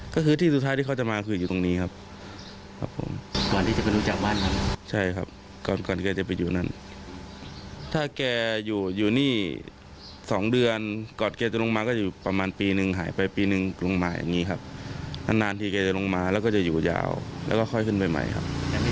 แล้วก็ค่อยขึ้นไปใหม่ครับไม่ครับ